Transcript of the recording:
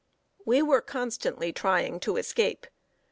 ] We were constantly trying to escape.